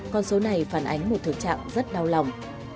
con số này phản ánh một thực trạng rất đau lòng